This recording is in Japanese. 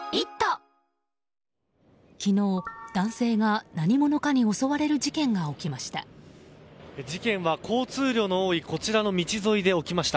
昨日、男性が何者かに襲われる事件が起きました。